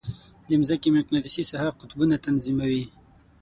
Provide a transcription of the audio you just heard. د مځکې مقناطیسي ساحه قطبونه تنظیموي.